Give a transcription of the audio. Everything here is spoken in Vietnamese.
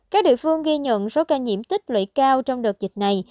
các địa phương ghi nhận số ca nhiễm tích lũy cao trong đợt dịch này